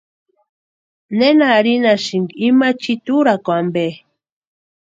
¿Nena arhinhasïnki ima chiiti úrakwa ampe?